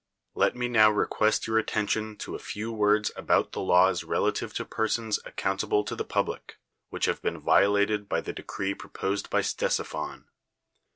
Let me now request your attention to a few words about the laws relative to persons accountable to the public, which have been vio lated by the decree proposed hy Ctesiphon.